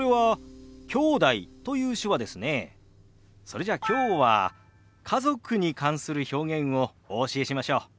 それじゃあきょうは家族に関する表現をお教えしましょう。